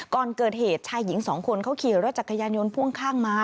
ก่อนเกิดเหตุชายหญิงสองคนเขาขี่รถจักรยานยนต์พ่วงข้างมา